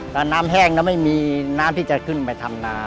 แล้วน้ำแห้งแล้วไม่มีน้ำที่จะขึ้นไปทำนา